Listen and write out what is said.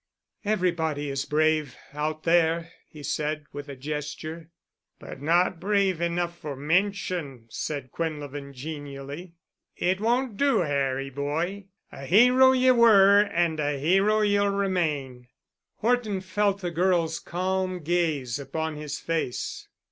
"Everybody is brave—out there," he said, with a gesture. "But not brave enough for mention," said Quinlevin genially. "It won't do, Harry boy. A hero ye were and a hero ye'll remain." Horton felt the girl's calm gaze upon his face.